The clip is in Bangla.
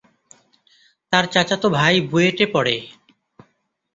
তার চাচাতো ভাই বুয়েটে পড়ে।